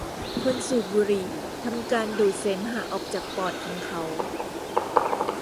คนสูบบุหรี่ทำการดูดเสมหะออกจากปอดของเขา